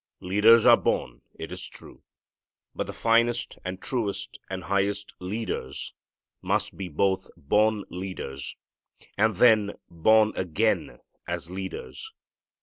Leaders are born, it is true. But the finest and truest and highest leaders must be both born leaders, and then born again as leaders.